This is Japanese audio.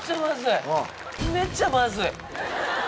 めっちゃマズい！